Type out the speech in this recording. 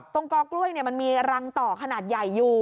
ตรงกอกล้วยเนี่ยมันมีรังต่อขนาดใหญ่อยู่